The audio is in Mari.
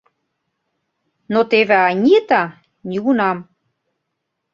Но теве Анита — нигунам!